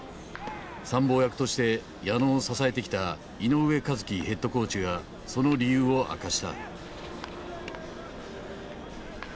参謀役として矢野を支えてきた井上一樹ヘッドコーチがその理由を明かした。